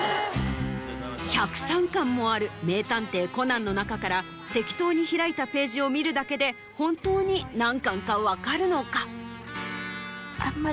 １０３巻もある『名探偵コナン』の中から適当に開いたページを見るだけで本当に何巻か分かるのか？